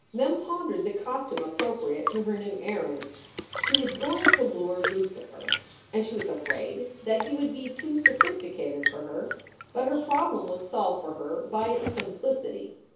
Mem pondered the costume appropriate to her new errand. She was going to lure Lucifer, and she was afraid that he would be too sophisticated for her. But her problem was solved for her by its simplicity.